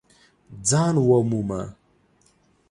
ځان ومومه !